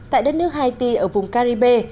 tại đất nước haiti ở vùng caribe